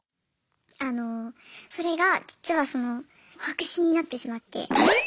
あのそれが実はその白紙になってしまって。